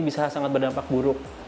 bisa sangat berdampak buruk